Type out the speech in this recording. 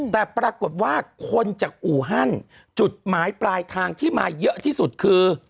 แต่ปรากฏว่าคนจากอู่ฮั่นจุดหมายปลายทางที่มาเยอะที่สุดคือ